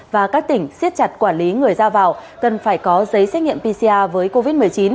và các tỉnh siết chặt quản lý người ra vào cần phải có giấy xét nghiệm pcr với covid một mươi chín